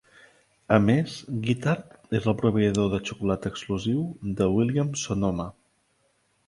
A més, Guittard és el proveïdor de xocolata exclusiu de Williams-Sonoma.